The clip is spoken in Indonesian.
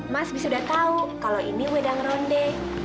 mas bisa udah tau kalau ini wedang ronde